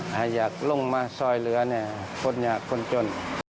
ให้อยากลงมาซอยเหลือเนี่ยผ่อนยาคนชน